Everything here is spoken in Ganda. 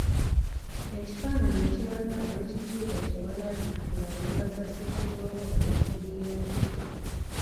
Ekifaananyi ekiraga Oweekitiibwa Kyewalabye nga ayambaza Ssekiboobo omuvuliya gwe.